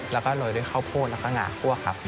แล้วก็โรยด้วยข้าวโพดแล้วก็หงาคั่วครับ